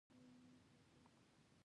خلک وايې چې راغلی بيا اختر دی